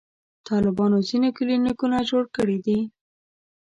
طالبانو ځینې کلینیکونه جوړ کړي دي.